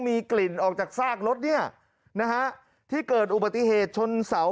มีกลิ่นออกจากซากรถเนี่ยนะฮะที่เกิดอุบัติเหตุชนเสา